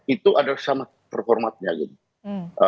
itu ada sama performanya gitu